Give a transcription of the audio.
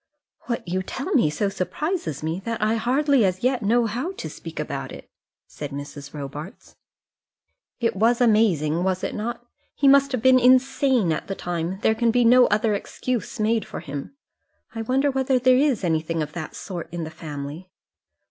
"What you tell me so surprises me, that I hardly as yet know how to speak about it," said Mrs. Robarts. "It was amazing, was it not? He must have been insane at the time; there can be no other excuse made for him. I wonder whether there is anything of that sort in the family?"